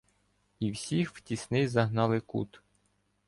І всіх в тісний загнали кут.